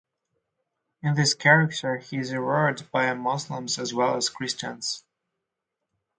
In this character he is revered by Muslims as well as Christians.